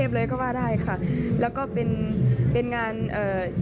สุดยอดเลยคุณผู้ชมค่ะบอกเลยว่าเป็นการส่งของคุณผู้ชมค่ะ